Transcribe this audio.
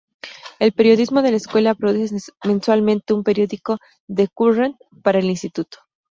El periodismo de la escuela produce mensualmente un periódico, "The Current", para el instituto.